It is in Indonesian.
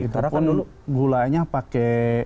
karena kan dulu gulanya pakai